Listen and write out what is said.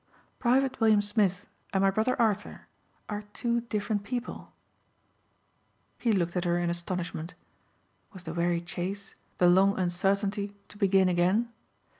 "Private William Smith and my brother Arthur are two different people." He looked at her in astonishment. Was the weary chase, the long uncertainty to begin again?